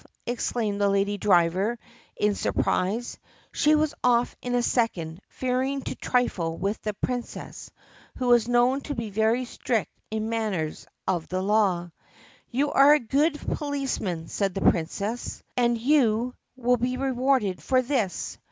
exclaimed the lady driver in sur prise. She was off in a second, fearing to trifle with the Prin cess, who was known to be very strict in matters of the law. "You are a good policeman," said the Princess, "and you will be rewarded for this.